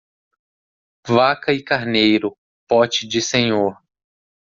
Vaca e carneiro, pote de senhor.